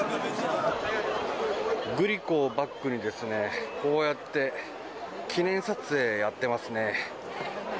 グリコをバックにですね、こうやって記念撮影やってますね。